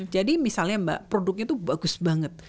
jadi misalnya mbak produknya tuh bagus banget